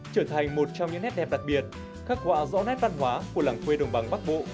trở thành một trong những nét đẹp đặc biệt khắc họa rõ nét văn hóa của làng quê đồng bằng bắc bộ